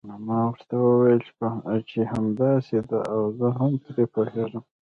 ما ورته وویل چې همداسې ده او زه هم پرې پوهیږم.